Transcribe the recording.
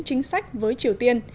chính sách với triều tiên